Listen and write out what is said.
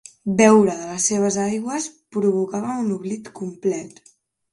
Beure de les seves aigües provocava un oblit complet.